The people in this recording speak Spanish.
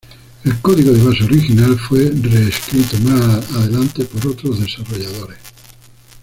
El código de base original fue reescrito más adelante por otros desarrolladores.